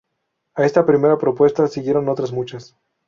A esta primera propuesta siguieron otras muchas.